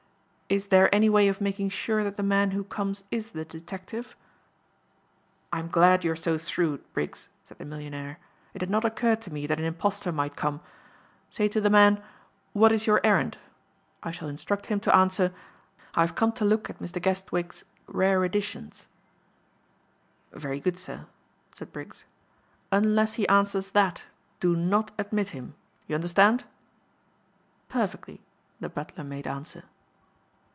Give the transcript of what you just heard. "Is there any way of making sure that the man who comes is the detective?" "I am glad you are so shrewd, Briggs," said the millionaire. "It had not occurred to me that an impostor might come. Say to the man, 'What is your errand?' I shall instruct him to answer, 'I have come to look at Mr. Guestwick's rare editions.'" "Very good, sir," said Briggs. "Unless he answers that, do not admit him. You understand?" "Perfectly," the butler made answer.